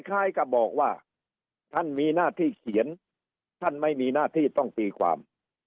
คล้ายกับบอกว่าท่านมีหน้าที่เขียนท่านไม่มีหน้าที่ต้องตีความ